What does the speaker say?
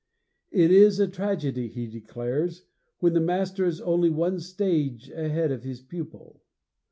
It is a tragedy, he declares, when the master is only one stage ahead of his pupil.